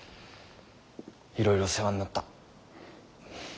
いろいろ世話になった。